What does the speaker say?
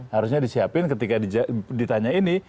harusnya disiapin ketika ditanya ini